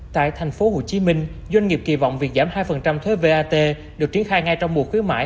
tại tp hcm doanh nghiệp kỳ vọng việc giảm hai thuế vat được triển khai ngay trong mùa khuyến mại